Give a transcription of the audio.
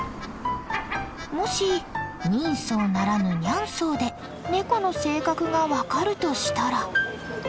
もし人相ならぬニャン相でネコの性格が分かるとしたら。